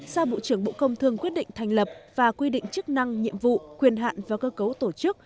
sao bộ trưởng bộ công thương quyết định thành lập và quy định chức năng nhiệm vụ quyền hạn và cơ cấu tổ chức